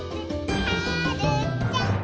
はるちゃん！